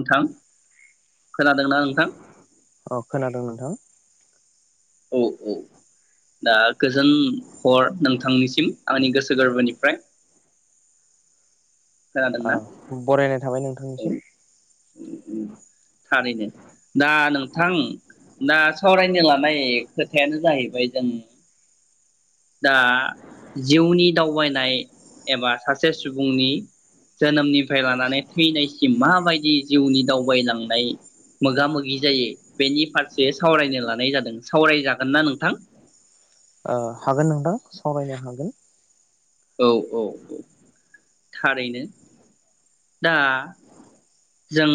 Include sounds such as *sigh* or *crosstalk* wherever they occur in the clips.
नोंथां खोनादोंना नोंथां अ खोनादों नोंथां । औ औ दा गोजोन हर नोंथांनिसिम आंनि गोसो गोरबोनिफ्राय । ओ खोनादोंना? बरायनाय थाबाय नोंथांनिसिम थारैनो दा नोंथां ना सावरायनो लानाय खोथायानो जाहैबाय जों दा जिउनि दावबायनाय एबा सासे सुबुंनि जोनोमनिफ्राय लानानै थैनायसिम माबायदि जिउनि दावबायलांनाय मोगा मोगि जायो बेनि फारसे सावरायनो लानाय जादों सावरायजागोन ना नोंथां । ओ हागोन नोंथां सावरायनो हागोन । औ औ औ थारैनो । दा जों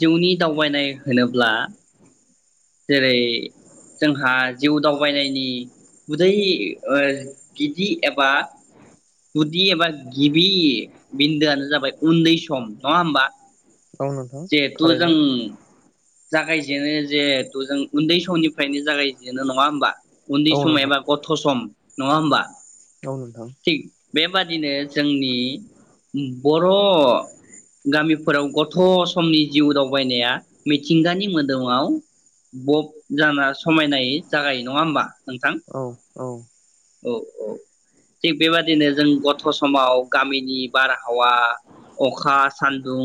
जिउनि दावबायनाय होनोब्ला जेरै जोंहा जिउ दावबायनायनि उदै ओ गिदि एबा गुदि एबा गिबि बिन्दोआनो जाबाय उन्दै सम नङा होमबा? औ नोथां जिहेथु जों थारैनो । जागायजेनो जेहेथु जों उन्दै समनिफ्रायनो जागायजेनो नङा होमबा? उन्दै औ सम एबा गथ' सम नङा होमबा? दं नोंथां । थिग बेबादिनो जोंनि उम बर ' गामिफोराव गथ' समनि जिउ दावबायनाया मिथिंगानि मोदोमाव बब जाना समायनायै जागायो नङा होमबा नोंथां? औ औ औ औ । थिग बेबादिनो जों गथ' समाव गामिनि बारहावा अखा सानदुं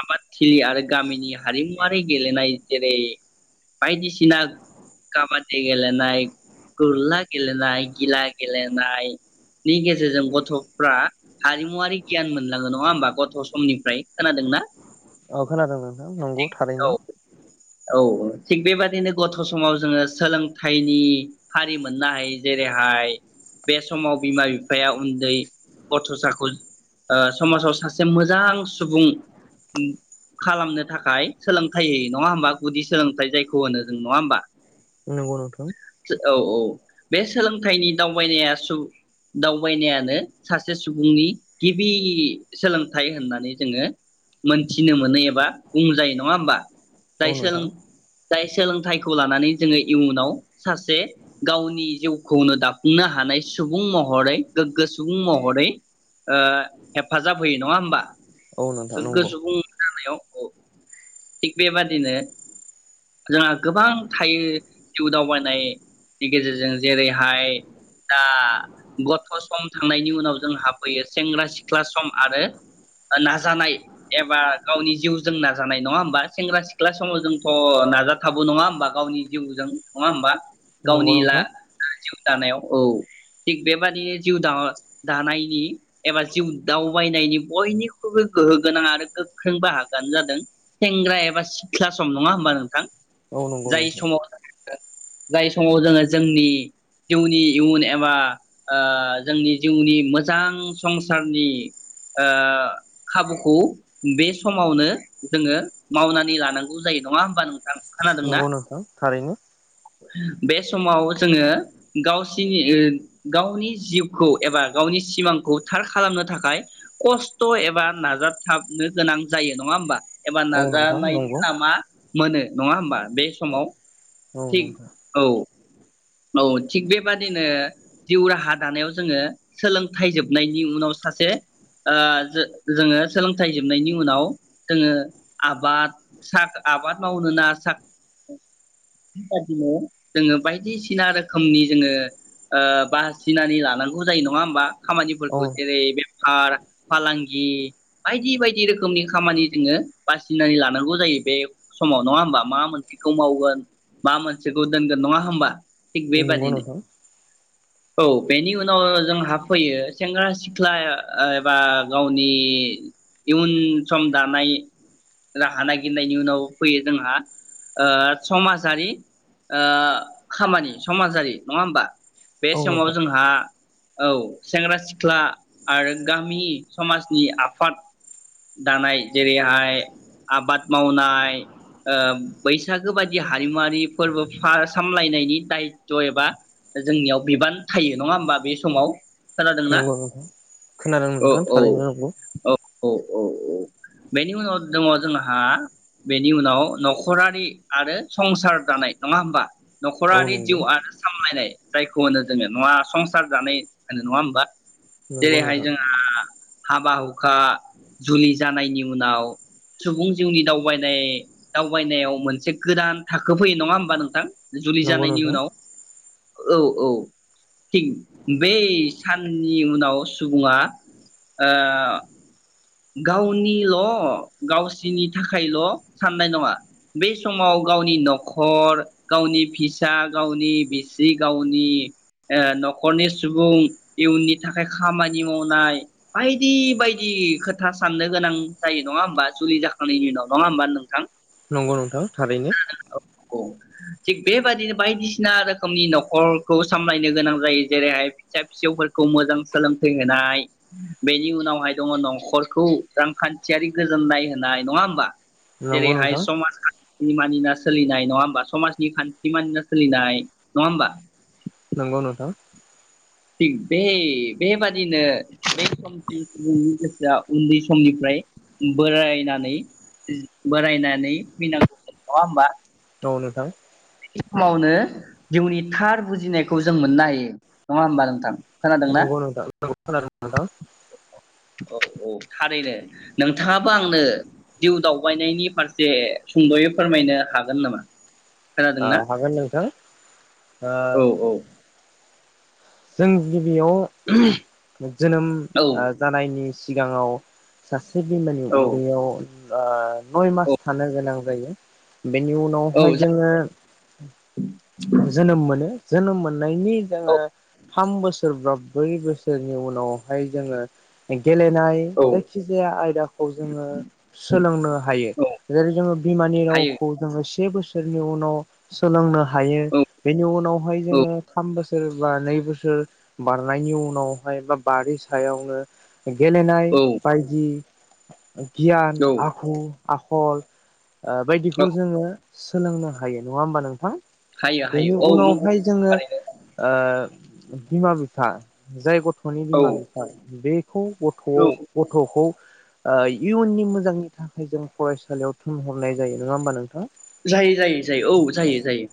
आबाद थिलि आरो गामिनि हारिमुवारि गेलेनाय जेरै बायदिसिना काबादि गेलेनाय, गुरला गेलेनाय, गिला गेलेनायनि गेजेरजों गथ'फ्रा हारिमुवारारि गियान मोनलाङो नङा होमबा गथ' समनिफ्राय खोनादोंना? औ खोनादों नोंथां नंगौ थारैनो । औ औ थिग बेबादिनो गथ' समाव जोङो सोलोंथाइनि हारि मोननाय जेरैहाय बे समाव बिमा बिफाया उन्दै गथ'साखौ ओ समाजाव सासे मोजां सुबुं खालामनो थाखाय सोलोंथाइ होयो नङा होमबा? गुदि सोलोंथाइ जायखौ होनो जों नङा होमबा? नगौ नोंथां । औ औ बे सोलोंथाइनि दावबायनाया सुबुं दावबायनायानो सासे सुबुंनि गिबि सोलोंथाइ होननानै जोङो मोनथि फिनो मोनो एबा बुंजायो नङा होमबा जाय औ सोलों नोंथां जाय सोलोंथाइखौ लानानै जोङो इयुनाव सासे गावनि जिउखौनो दाफुंनो हानाय सुबुं महरै गोग्गो सुबुं महरै ओ हेफाजाब होयो नङा होमबा? औ नोंथां नंगौ । औ औ थिग बेबादिनो जोंहा गोबां थायो जिउ दावबायनायनि गेजेरजों जेरैहाय दा ओ गथ' सम थांनायनि उनाव जोंहाबफैयो सेंग्रा सिख्ला सम आरो नाजानाय एबा गावनि जिउजों नाजानाय नङा होमबा, सेंग्रा सिख्ला समाव जोंथ नाजाथाबो नङा होमबा गावनि जिउजों नङा होमबा? नंगौ गावनि ला नोंथां दानायाव, औ थिग बेबादिनो जिउ दा दानायनि एबा जिउ दावबायनायनि बयनिख्रुइबो गोहो गोनां आरो गो गोख्रों बाहागानो जादों सेंग्रा एबा सिख्ला सम नङा होमबा नोंथां? औ नंगौ जाय नोंथां समाव जाय समाव जोङो जोंनि जिउनि इयुन एबा ओ जोंनि जिउनि मोजां संसारनि ओ खाबुखौ बे समावनो जोङो मावनानै लानांगौ जायो नङा होमबा नोंथां। खोनादोंना नंगौ नोंथां थारैनो। बे समाव जोङो गावसिनि गावनि जिउखौ एबा गावनि सिमांखौ थार खालामनो थाखाय खस्थ एबा नाजाबथाब। नो गोनां जायो नङा होमबा एबा औ नोंथां नाजानायनि नंगौ नामा मोनो नङा होमबा बे समाव औ थिग नोंथां औ औ थिग बेबादिनो जिउ राहा दानायाव जोङो सोलोंथाइ जोबनायनि उनाव सासे ओ ज जोङो सोलोंथाइ जोबनायनि उनाव जोङो आबाद सा आबाद मावनो ना सादिनो जोङो बायदिसिना बायसिना रोखोमनि जोङो बासिनानै लानांगौ जायो नङा होमबा औ खामानिफोरखौ जेरै बेफार फालांगि बायदि बायदि रोखोमनि खामानि जोङो बासिनानै लानांगौ जायो बे समाव नङा होमबा मा मोनसेखौ मावगोन मा मोनसेखौ दोनगोन नङा होमबा थिग नंगौ बेबादिनो नोंथां औ बेनि उनाव जोंहा फैयो सेंग्रा सिख्ला एबा गावनि इयुन सम दानाय राहा नागिरनायनि उनाव फैयो जोंहा ओ समाजारि खामानि समाजारि नङा होमबा बे औ समाव नोंथां जोंहा औ सेंग्रा सिख्ला आरो गामि समाजनि आफाद दानाय जेरैहाय आबाद मावनाय ओ बैसागो बायदि हारिमुवारि फोरबो सामलायनाय नि दायथ एबा जोंनियाव बिबान थायो नङा होमबा बे समाव खोनादोंना नंगौ नोंथां खोनादो औ नोंथां थारैनो नंगौ औ औ औ बेनि उनाव दङ जोंहा बेनि उनाव नखरारि आरो संसार जानाय नङा होमबा औ नखरारि जिउ नंगौ आरो सामलायनाय जायखौ होनो जोङो नङा संसार जानाय होनो नङा होमबा नंगौ जेरैहाय नोंथां जों हाबा हुखा जुलि जानायनि उनाव सुबुं जिउनि दावबायनाय दावबायनायाव मोनसे गोदान थाखो फैयो नङा होमबा नोंथां जुलि नंगौ जानायनि नोंथां उनाव औ औ थिग बै साननि उनाव सुबुङा ओ गावनिल‌ गावसिनि थाखायल साननाय नङा बै समाव गावनि नखर गावनि फिसा गावनि बिसि गावनि नखरनि सुबुं इयुननि थाखाय खामानि मावनाय बायदि बायदि खोथा था साननो गोनां जायो नङा होमबा जुलि जाखांनायनि उनाव नङा होमबा नोंथां नंगौ नोंथां थारैनो औ थिग बेबादिनो बायदिसिना रोखोमनि नखरखौ सामलायनो गोनां जायो जेरैहाय फिसा फिसौफोरखौ मोजां सोलोंथाइ होनाय बेनि उनावहाय दङ नखर खौ रांखान्थियारि गोजोननाय होनाय नङा होमबा नंगौ जेरैहाय नोंथां समाज खान मानिना सोलिनाय नङा होमबा समाजनि खान्थि मानिना सोलिनाय नङा होमबा नंगौ नोंथां थिग बे बेबादिनो बे समसिमनि गोसोआ उन्दै समनिफ्राय बोरायनानै बोरायनानै फैनांगौ नङा होमबा दं‌ङ नोंथां बिदि समावनो जिउनि थार बुजिनायखौ जों मोननो हायो नंङा होमबा नोंथां खोनादोंना नंगौ नोंथां औ खोनादों नोंथां औ औ थारैनो नोंथाङाबो आंनो जिउ दावबायनायनि फारसे सुंदयै फोरमायनो हागोन नामा ओ खोनादोंना हागोन नोंथां ओ औ औ जों गिबियाव जोनोम औ ओ जानायनि सिगाङाव सास से बे बिमानि औ उदैयाव ओ नय मास थानो गोनां जायो । बेनि उनाव औ हाय जोङो जोनोम मोनो जोनोम मोन नायनि जोङो थाम बोसोर बा ब्रै बोसोरनि उनाव हाय जोङो खेन गेलेनाय औ जायखिजाया आयदाखौ जोङो सोलोंनो हायो औ जेरै जोङो बिमानि हायो रावखौ जोङो से बोसो सोरनि उनाव सोलोंनो हा हायो औ बेनि उनाव हाय औ जोङो थाम बोसो बा नै बोसोर बारनायनि उनावहाय बा-बारि सायावनो गेलेनाय औ बायदि गियान औ आखु आख खल ओ औ बायदिखौ जोङो सोलोंनो हायो नङा होमबा नोंथां हायो हायो बेनि औ नंगौ उनावहाय जोङो थारैनो ओ बिमा बिफा जाय गथ थ'नि औ बिमा बिफा बे खौ औ गथ-गथखौ ओ इयुननि मोजांनि थाखाय जों फरायसालियाव थोनहरनाय जायो नङा होमबा नोंथाङा जायो जायो जायो औ जायो जायो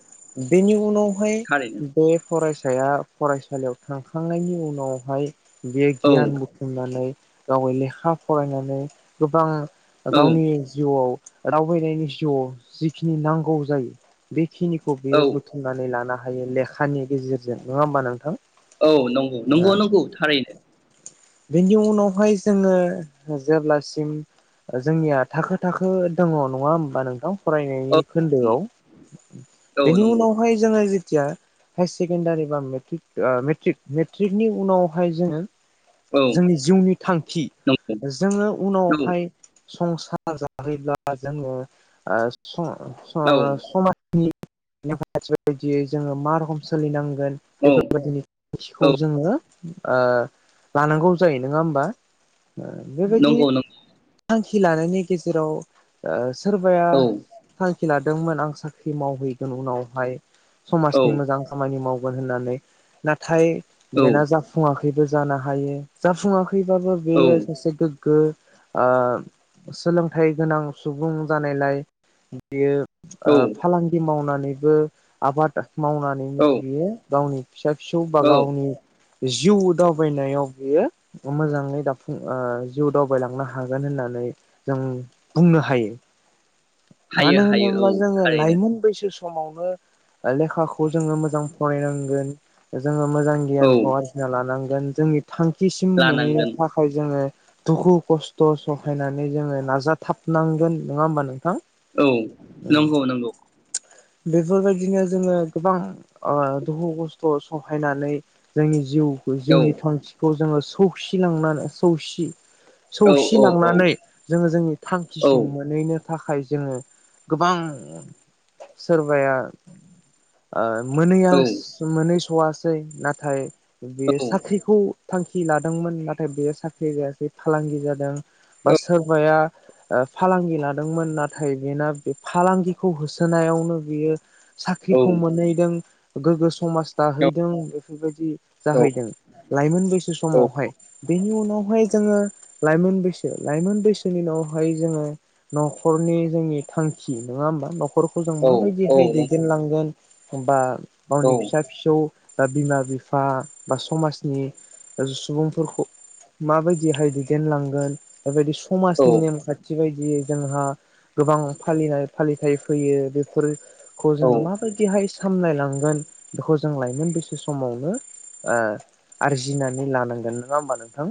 बेनि उनाव हाय थारैनो बे फरायसाया फरायसालियाव थांखांनायनि उनावहाय बे औ गियान बुथुमनानै गावै लेखा फरायनानै गोबां औ गावनि जिउआव रावबाहायनायनि जिउआव जिखिनि नांगौ जायो बे खिनिखौ औ बेयो बुथुमनानै लानो हायो लेखानि गेजेरजों नङा होमबा नोंथां? औ नंगौ ओ नंगौ नंगौ थारैनो। बेनि उनावहाय जोङो जेब्लासिम जोंनिया थाखो थाखो दङ नङा होमबा नोंथां? फरायनायनि औ खोन्दोआव औ बेनि नंगौ उनावहाय जोङो जि थिया। हायार सेकेण्डारि बा मेट्रिक ओ मेट्रिक मेट्रिकनि उनावहाय जोङो। औ जोंनि जिउनि थांखि नंगौ जोङो उनावहाय। संसार जाहैब्ला जोङो ओ सं सा औ समाज नि *unintelligible* जोङो मा रखम। सोलिनां गोन औ बेफोरबायदिनि औ थिखौ जोङो। ओ लानांगौ जायो नङा होमबा? ओ बेबायदि नंगौ नों थांखि लानायनि गेजेराव ओह। सोरबाया औ थां खि लादोंमोन आं साख्रि मावहैगोन उनावहाय। औ समाजनि मोजां मावगोन होननानै नाथाय औ बेना जाफुंआ खैबो जानो हायो जाफुङा खैबाबो औ बेयो सासे गो गो ओ सोलोंथाइ गोनां सुबुं जानायलाय बियो ओ औ फालांगि मावना नैबो आबाद मावना नै औ बियो गावनि। फिसा फिसौ बा औ गावनि जिउ दावबायनायाव बियो मोजाङै दाफुं ओ जिउ दावबायलांनो हागोन होननानै जों बुंनो हायो। हायो मानो हायो औ होनोब्ला जोङो थारैनो लाइमोन बैसो सम समावनो लेखाखौ। जोङो मोजां फरायनांगोन। जोङो मोजां औ गियानखौ आरजिना लानांगौ। जोंनि थांखिसिम मोनहैनो लानांगोन थाखाय जोङो दुखु खस्थ सहायनानै जोङो नाजाथाबनांगोन नङा होमबा नोंथां। औ उम नंगौ नंगौ। बेफोरबायदिनो जोङो। गोबां ओ दुखु खस्थ सहायनानै जोंनि जिउ। औ जिउनि थांखिखौ जोङो सौसिलांनानै सौसि औ औ सौसिलांनानै जोङो जोंनि औ थांखिसिम मोनहैनो थाखाय जोङो गोबां सोरबाया ओ *inaudible* मोनैया औ मोन *inaudible* थवासै नाथाय। बेयो औ साख्रिखौ थांखि लादोंमोन नाथाय बेयो साख्रि जायासै फालांगि जादों बा सोरबाया ओ फालांगि लादोंमोन नाथाय बेना बे फालांगिखौ होसोनायावनो बियो औ साख्रिखौ *inaudible* समाज दाहैदों बेफोरबायदि नंगौ जाहैदों लाइमोन बैसो समावहाय बेनि उनाव हाय जोङो लाइमोन बैसो लाइमोन बैसोनि उनावहाय जोङो नख'रनि जोंनि थांखि नङा होमबा न'खरखौ जों औ माबायदिहाय दैदेनलांगोन। बा। गावनि फिसा फिसौ। बा बिमा बिफा बा समाजनि सुबुंफोरखौ माबायदिहाय दैदेनलांगोन बेबायदि समाजनि नेम खान्थि बायदि जि जोंहा गोबां फालिनाय फालिथाय फैयो बेफोर खौ औ जोङो मा। बेहाय सामलायलांगोन बेखौ जों लाइमोन बैसो समावनो ओ आरजिनानै लानांगोन नङा होमबा नोंथां।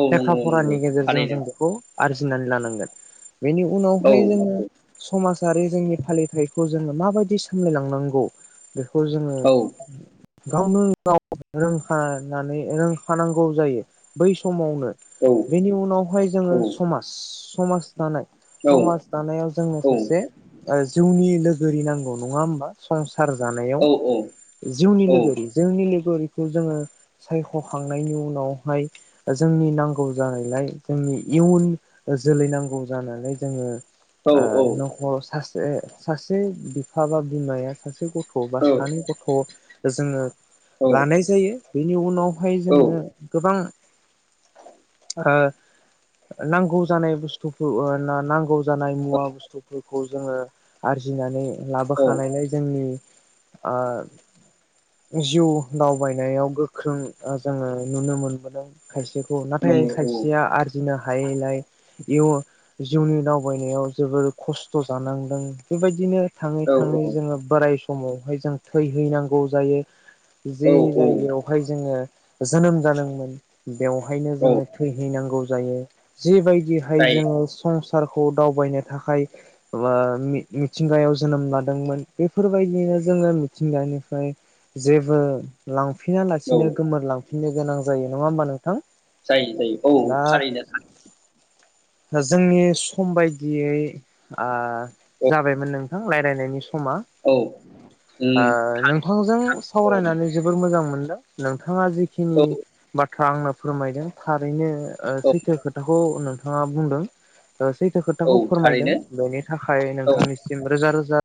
औ लेखा नंगौ नंगौ फरानि गेजेरजों थारैनो जों बेखौ आरजिनानै लानांगोन। बेनि औ उनावहाय जोङो नंगौ समाजारि जोंनि फालिथाय। जोङो माबायदि बिदि सामलायलांनांगौ बे खौ जोङो। औ गावनो गाव रोंखानानै रोंखानांगौ जायो बै समावनो औ बेनि उनावहाय जोङो औ समाज, समाज समाज दानायाव जोंनो औ सासे जिउनि लोगोरि नांगौ। नङा होमबा सार जानायाव औ औ जिउनि औ लोगोरि जोंनि लोगोरि बेखौ जोङो सायखखांनायनि उनावहाय जोंनि नांगौ जानायलाय जोंनि इयुन जोलै नांगौ जानानैालाय जोङो औ आ नखर स सासे हाबा बिमाया सासे गथ' गथ' बा औ सानै गथ' जोङो औ लानाय जायो। बेनि उनाव बेवहाय औ जोङो गोबां ओ नांगौ जानाय बुस्थुखौ ओ नांगौ जानाय मुवा बुस्थुफोरखौ जोङो आरजिनानै औ लाबोखानायलाय जोंनि आं जिउ दावबायनायाव गोख्रों जोङो नुनो मोनबोदों खायसेखौ नाथाय नंगौ खायसेया आरजिना हायैलाय इयाव जिउनि दावबायनायाव जोबोर खस्थ जानांदों बेबायदिनो थाङै औ थाङै औ जोङो बोराय समावहाय जों थैहैनांगौ जायो। औ जे जायगायावहाय जोङो। जोनोम जादोंमोन। बेवहायनो औ जोङो थैहैनांगौ। जायो जिबायदिहाय जायो जोङो सं सारखौ दावबायनो थाखाय बा मि-मिथिंगायाव जोनोम लादोंमोन बेफोरबायदियैनो जोङो मिथिंगानिफ्राय जेबो लां फिना औ लासिनो गोमोरलां फिननो गोनां जायो नङा होमबा नों जायो जायो औ थारैनो था जोंनि सम बायदियै आ औ जाबायमोन नोंथां रायलायनायनि सम समा औ उम ओ नोंथांजों औ सावरायनानै जोबोर मोजां मोन *unintelligible* नोंथाङा जिखिनि औ बा थ्रा आंनो फोरमायदों थारैनो ओ औ सैथो खोथाखौ नों नोंथाङा बुंदों। ओ सैथो औ खोथाखौ फोरमायदों थारैनो बेनि थाखाय औ नोंथांनिसिम रोजा रोजा